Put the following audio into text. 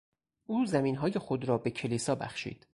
او زمینهای خود را به کلیسا بخشید.